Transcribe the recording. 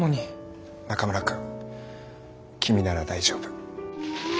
中村くん君なら大丈夫。